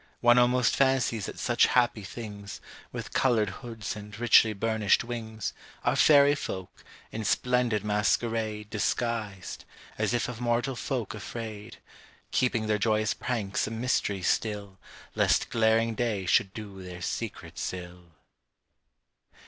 One almost fancies that such happy things, With coloured hoods and richly burnished wings, Are fairy folk, in splendid masquerade Disguised, as if of mortal folk afraid, Keeping their merry pranks a mystery still, Lest glaring day should do their secrets ill.